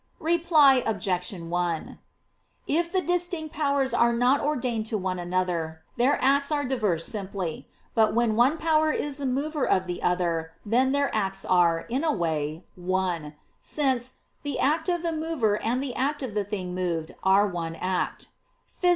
Reply Obj. 1: If the distinct powers are not ordained to one another, their acts are diverse simply. But when one power is the mover of the other, then their acts are, in a way, one: since "the act of the mover and the act of the thing moved are one act" (Phys.